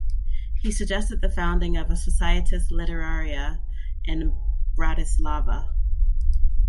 He suggested the founding of a Societas litteraria in Bratislava.